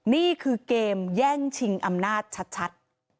นี่คือเกมแย่งชิงอำนาจชัด